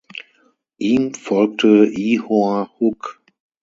Ihm folgte Ihor Huk.